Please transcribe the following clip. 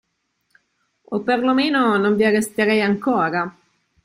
o, per lo meno, non vi arresterei ancora.